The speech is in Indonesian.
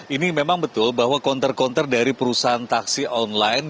ini memang betul bahwa konter konter dari perusahaan taksi online